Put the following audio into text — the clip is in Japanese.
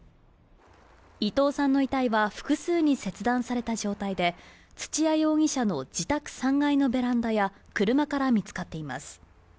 伊藤さんの遺体は複数に切断された状態で、土屋容疑者の自宅３階のベランダや車から見つかっています。